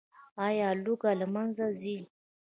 آیا لوږه له منځه ځي؟